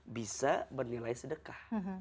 bisa bernilai sedekah